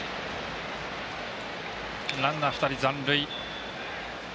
ランナー２人残塁。